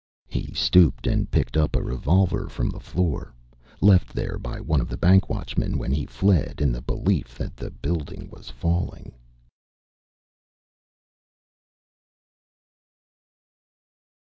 He stooped and picked up a revolver from the floor, left there by one of the bank watchmen when he fled, in the belief that the building was falling.